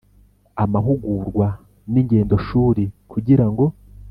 amahugurwa n ingendo shuri kugira ngo